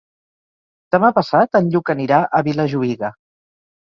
Demà passat en Lluc anirà a Vilajuïga.